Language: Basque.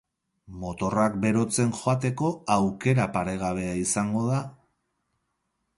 Motorrak berotzen joateko aukera paregabea izango da.